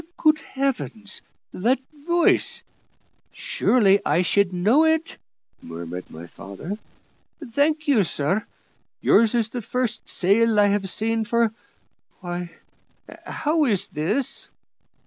"Good Heaven! that voice surely I should know it," murmured my father. "Thank you, sir. Yours is the first sail I have seen for Why, how is this?"